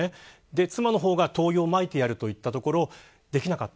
妻の方が、灯油をまいてやると言ったところできなかった。